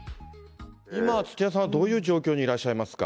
今、土屋さんはどういう状況にいらっしゃいますか？